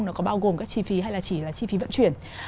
nó có bao gồm các chi phí hay là chỉ là chi phí vận chuyển